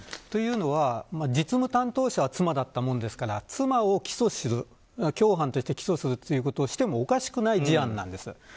というのは実務担当者は妻だったものですから妻を起訴する共犯として起訴するということをしてもおかしくない事案なんです。